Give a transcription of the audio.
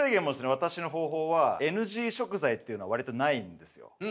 私の方法はＮＧ食材っていうのは割とないんですよ。